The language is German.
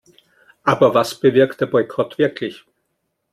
Aber was bewirkt der Boykott wirklich?